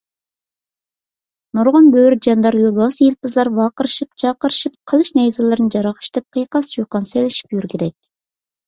نۇرغۇن بۆرە، جاندار، يولۋاسۇيىلپىزلار ۋاقىرىشىپ - جارقىرىشىپ، قىلىچ - نەيزىلىرىنى جاراقشىتىپ، قىيقاس - چۇقان سېلىشىپ يۈرگۈدەك.